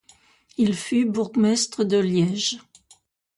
Il fut bourgmestre de Liège.